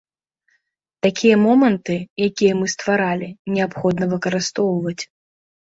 Такія моманты, якія мы стваралі, неабходна выкарыстоўваць.